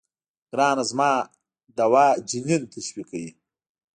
ګرانه زما دوا جنين تشويقوي.